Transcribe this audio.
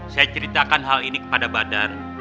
saya ceritakan hal ini kepada badar